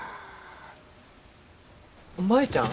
舞ちゃん。